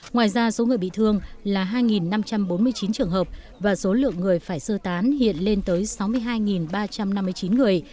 ngoài ra số người bị thương là hai năm trăm bốn mươi chín trường hợp và số lượng người phải sơ tán hiện lên tới sáu mươi hai ba trăm năm mươi chín người